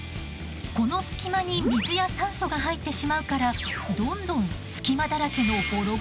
この隙間に水や酸素が入ってしまうからどんどん隙間だらけのボロボロになっていくの。